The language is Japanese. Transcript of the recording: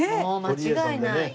もう間違いない。